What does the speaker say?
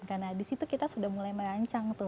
karena di situ kita sudah mulai merancang tuh